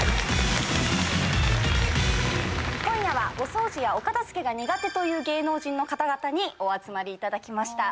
今夜はお掃除やお片付けが苦手という芸能人の方々にお集まりいただきました。